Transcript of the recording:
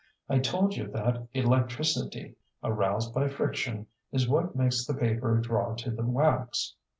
I told you that electricity, aroused by friction, is what makes the paper draw to the wax.